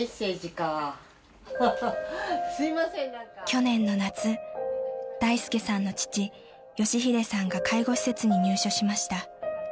［去年の夏大介さんの父佳秀さんが介護施設に入所しました］